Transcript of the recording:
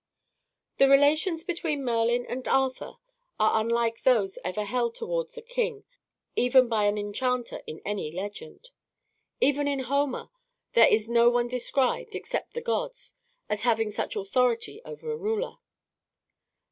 The relations between Merlin and Arthur are unlike those ever held towards a king even by an enchanter in any legend. Even in Homer there is no one described, except the gods, as having such authority over a ruler.